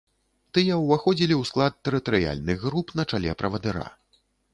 Тыя ўваходзілі ў склад тэрытарыяльных груп на чале правадыра.